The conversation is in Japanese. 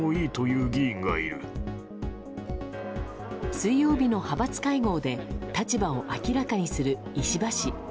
水曜日の派閥会合で立場を明らかにする石破氏。